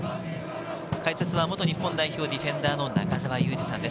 解説は元日本代表、ディフェンダーの中澤佑二さんです。